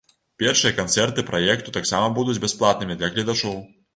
Першыя канцэрты праекту таксама будуць бясплатнымі для гледачоў.